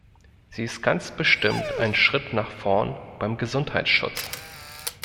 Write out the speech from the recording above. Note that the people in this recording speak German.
Sie ist ganz bestimmt ein Schritt nach vorn beim Gesundheitsschutz.